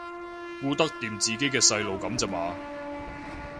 顧得掂自己嘅細路噉咋嘛